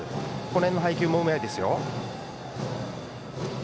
この辺の配球もうまいですよ。